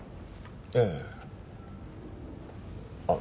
ええあっ